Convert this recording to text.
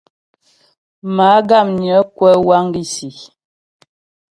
Má'a Guamnyə kwə wágisî.